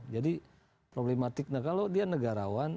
jadi problematiknya kalau dia negarawan